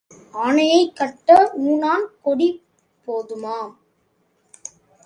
ஆனையைக் கட்ட ஊணான் கொடி போதுமா?